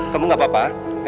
kamu gak apa apa